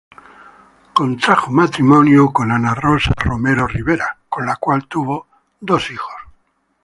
Contrajo matrimonio con Ana Rosa Romero Rivera, con la cual tuvo dos hijos.